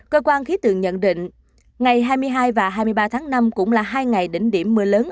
cơ quan khí tượng nhận định ngày hai mươi hai và hai mươi ba tháng năm cũng là hai ngày đỉnh điểm mưa lớn